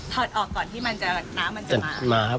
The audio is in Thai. ถอดออกก่อนที่น้ำมันจะมา